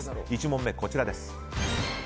１問目、こちらです。